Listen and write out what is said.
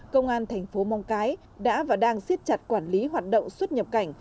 công an thành phố mong cái đã và đang siết chặt quản lý hoạt động xuất nhập cảnh